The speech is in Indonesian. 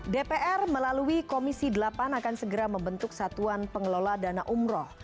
dpr melalui komisi delapan akan segera membentuk satuan pengelola dana umroh